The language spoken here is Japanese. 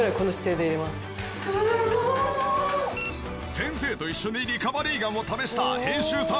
先生と一緒にリカバリーガンを試した編集さん